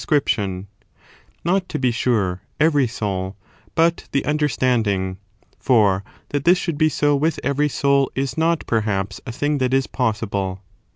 scription : not, to be sure, every soul, but the un ^* derstanding ; for that this should be so with every soul is not, perhaps, a thing that is possible.